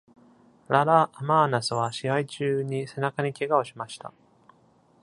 ララ・アマーナスは、試合中に、背中に怪我をしました。